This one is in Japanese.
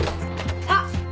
あっ！